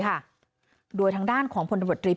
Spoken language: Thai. คุยกับตำรวจเนี่ยคุยกับตำรวจเนี่ย